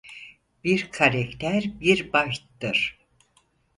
Bir karakter bir bayttır.